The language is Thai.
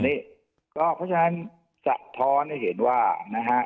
อันนี้ก็เพราะฉะนั้นสะท้อนให้เห็นว่านะฮะ